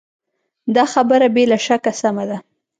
دا خبره بې له شکه سمه ده.